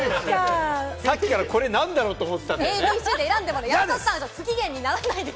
さっきからこれ何だろう？って思ってたんだよね。